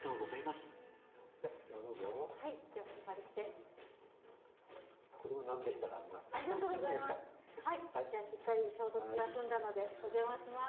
はいじゃあしっかり消毒が済んだのでおじゃまします。